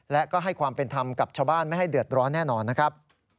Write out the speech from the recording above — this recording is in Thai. และก็ให้ความเป็นธรรมกับชาวบ้านไม่ให้เดือดร้อนแน่นอนนะครับ